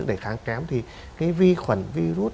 sức đề kháng kém thì cái vi khuẩn virus